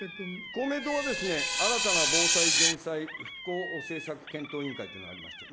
公明党はですね、新たな防災・減災、復興政策検討委員会というのがありました。